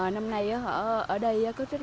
năm nay ở đây có rất nhiều nhà hàng